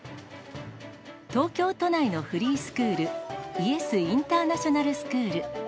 東京都内のフリースクール、ＹＥＳインターナショナルスクール。